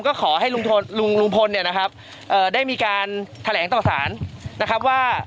ก็ขอให้ลุงพลเนี่ยนะครับได้มีการแถลงต่อสารนะครับว่า